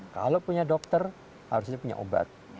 kalau punya dokter harusnya punya obat